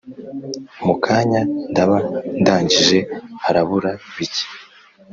Mukanya ndaba ndangije harabura bike